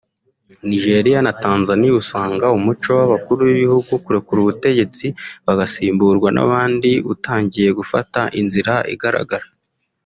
Nigeria na Tanzanie usanga Umuco w’abakuru b’ibihugu kurekura ubutegetsi bagasimburwa n’abandi utangiye gufata Inzira igaragara